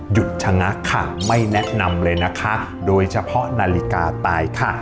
หยุดชะงักค่ะไม่แนะนำเลยนะคะโดยเฉพาะนาฬิกาตายค่ะ